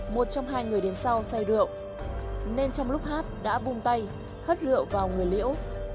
một trong hai người đến sau say rượu nên trong lúc hát đã vung tay hất rượu vào người liễu